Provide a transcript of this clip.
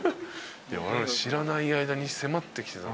知らない間に迫ってきてた。